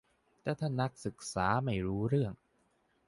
แต่ถ้านักศึกษาเรียนไม่รู้เรื่อง